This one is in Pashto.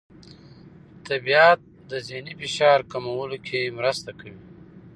طبیعت د ذهني فشار کمولو کې مرسته کوي.